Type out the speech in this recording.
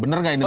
bener gak ini